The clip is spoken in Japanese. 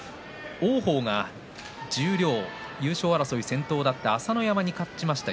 王鵬が十両優勝争い先頭だった朝乃山に勝ちました。